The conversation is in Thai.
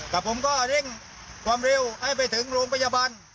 กะผมก็ดึงความริ้วให้ไปถึงลงพยาบาล